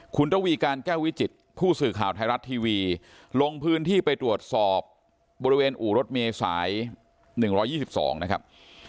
คุณระวีการแก้ววิจิตผู้สื่อข่าวไทยรัฐทีวีลงพื้นที่ไปตรวจสอบบริเวณอู่รถเมษาย๑๒๒นะครับ